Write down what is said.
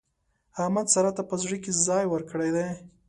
احمد سارا ته په زړه کې ځای ورکړی دی.